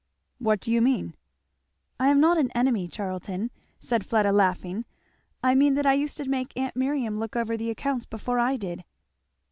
"What do you mean?" "I am not an enemy, Charlton," said Fleda laughing. "I mean that I used to make aunt Miriam look over the accounts before I did."